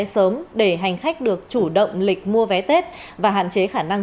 bán vé sớm để hành khách được chủ động lịch mua vé tết và hạn chế khả năng